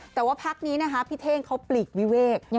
แต่ว่าพักนี้นะคะพี่เท่งเขาปลีกวิเวก